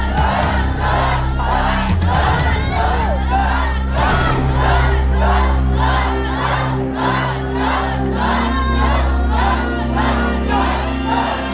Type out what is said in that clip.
หยุดหยุดหยุด